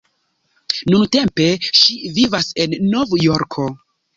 Nuntempe, ŝi vivas en Nov-Jorko.